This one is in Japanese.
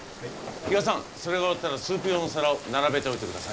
比嘉さんそれが終わったらスープ用の皿を並べておいてください。